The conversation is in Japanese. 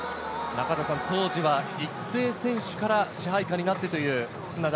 中畑さん、当時は育成選手から支配下になってという砂田。